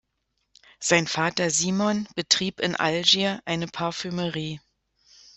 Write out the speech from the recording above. Sein Vater Simon betrieb in Algier eine Parfümerie.